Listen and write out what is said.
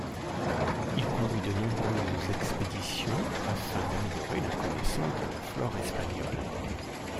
Il conduit de nombreuses expéditions afin d'améliorer la connaissance de la flore espagnole.